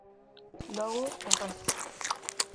Logo, os rezos.